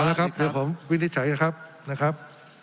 พอแล้วครับเดี๋ยวผมวินิจฉัยนะครับ